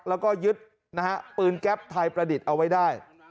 แล้วก็ยึดนะฮะปืนแก๊ปไทยประดิษฐ์เอาไว้ได้